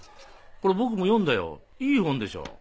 これ僕も読んだよいい本でしょう？